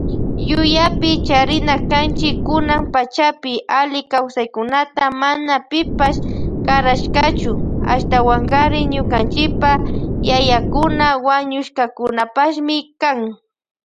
Yuyapi charina kanchi kunan pachapi alli kawsaykunaka mana pipash karashkachu, ashtawankari ñukanchipa yayakuna wañushkakunapashmi kan.